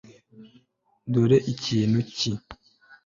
Dore ikintu ki